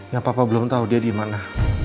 yang papa belum tau dia dimana